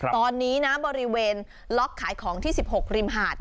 ตอนนี้นะบริเวณล็อกขายของที่๑๖ริมหาด